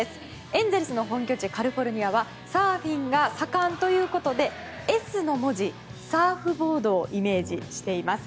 エンゼルスの本拠地カリフォルニアはサーフィンが盛んだということでＳの文字サーフボードをイメージしています。